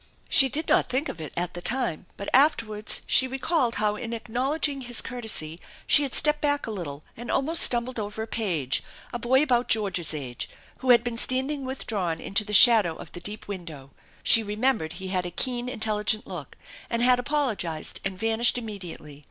She did not think of it at the time, but afterwards she 44 THE ENCHANTED BARN recalled how in acknowledging his courtesy she had stepped back a little and almost stumbled over a page, a boy about George's age, who had been standing withdrawn into the shadow of the deep window. She remembered he had a keen intelligent look, and had apologized and vanished immediately.